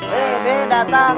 hei be datang